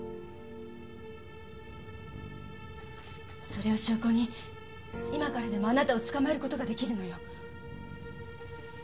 〔それを証拠に今からでもあなたを捕まえることができるのよ〕